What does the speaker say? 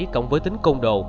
cộng với tính công độ